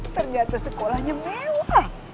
ternyata sekolahnya mewah